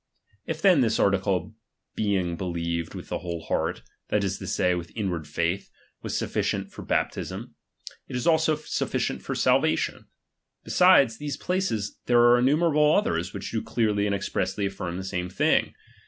If then this article being be lieved with the w hole heart, that is to say, with in ward faith, was sufficient for baptism ; it is also sufficient for salvation. Besides these places, there are innumerable others, which do clearly and ex pressly affirm the same thing.